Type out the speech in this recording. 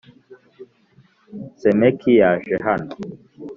Sameki yaje hano